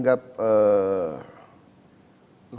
bahwa industri ini